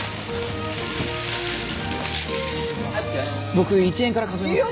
僕１円から数えますね。